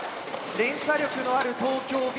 連射力のある東京Ｂ。